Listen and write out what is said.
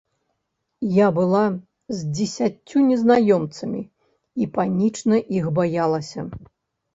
Я была з дзесяццю незнаёмцамі і панічна іх баялася.